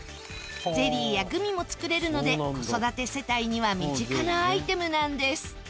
ゼリーやグミも作れるので子育て世帯には身近なアイテムなんです